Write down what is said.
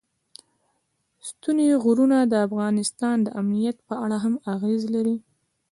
ستوني غرونه د افغانستان د امنیت په اړه هم اغېز لري.